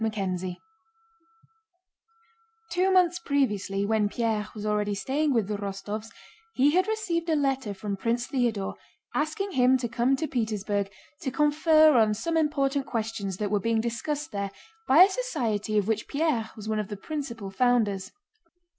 CHAPTER XI Two months previously when Pierre was already staying with the Rostóvs he had received a letter from Prince Theodore, asking him to come to Petersburg to confer on some important questions that were being discussed there by a society of which Pierre was one of the principal founders.